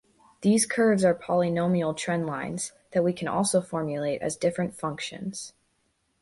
These curves are polynomial trend lines, that we can also formulate as different functions.